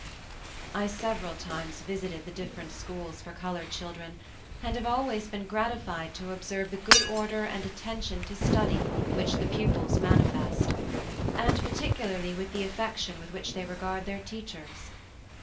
I several times visited the different schools for colored children and have always been gratified to observe the good order and attention to study which the pupils manifest, and particularly with the affection with which they regard their teachers.